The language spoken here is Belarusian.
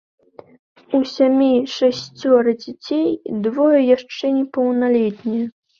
У сям'і шасцёра дзяцей, двое яшчэ непаўналетнія.